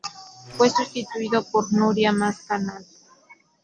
Fue sustituido por Núria Mas Canal.